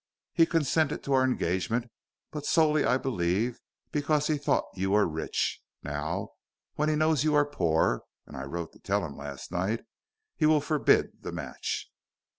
He consented to our engagement, but solely, I believe, because he thought you were rich. Now, when he knows you are poor and I wrote to tell him last night he will forbid the match."